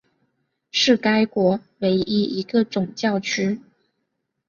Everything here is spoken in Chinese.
是该国唯一一个总教区。